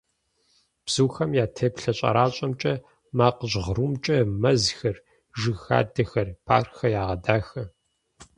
Бзухэм я теплъэ щӀэращӀэмкӀэ, макъ жьгърумкӀэ мэзхэр, жыг хадэхэр, паркхэр ягъэдахэ.